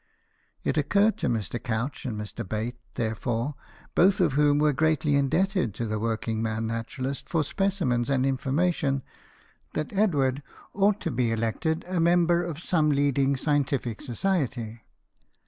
It occurred to Mr. Couch and Mr. Bate, there fore, both of whom were greatly indebted to the working man naturalist for specimens and information, that Edward ought to be elected a member of some leading scientific society.